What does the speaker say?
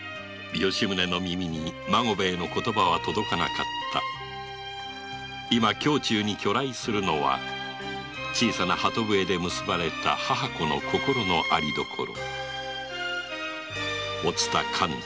吉宗の耳に孫兵衛の言葉は届かなかった今胸中を去来するのは小さな鳩笛で結ばれた母子の心のありどころお蔦勘太